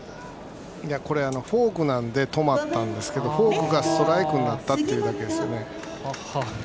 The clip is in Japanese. フォークなので止まったんですけどフォークがストライクになったというだけですね。